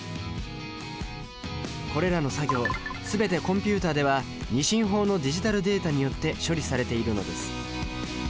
これらの作業全てコンピュータでは２進法のディジタルデータによって処理されているのです。